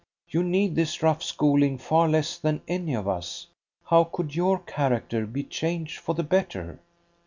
"You need this rough schooling far less than any of us. How could your character be changed for the better?"